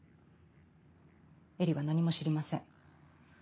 絵理は何も知りません。